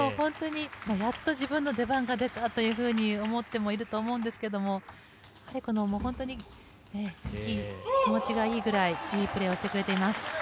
やっと自分の出番が出たというふうに思っていると思うんですけれど、気持ちがいいぐらい、いいプレーをしてくれています。